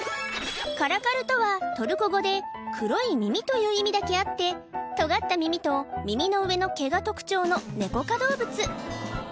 カラカルとはトルコ語で黒い耳という意味だけあってとがった耳と耳の上の毛が特徴のネコ科動物